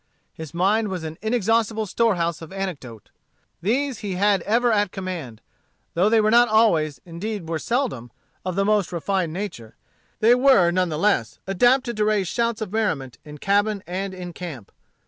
His mind was an inexhaustable store house of anecdote. These he had ever at command. Though they were not always, indeed were seldom, of the most refined nature, they were none the less adapted to raise shouts of merriment in cabin and camp.